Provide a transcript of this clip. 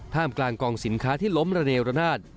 กลางกองสินค้าที่ล้มระเนรนาศ